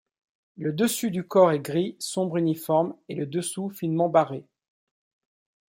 Le dessus du corps est gris sombre uniforme et le dessous finement barré.